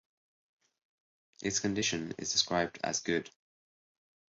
Its condition is described as "good".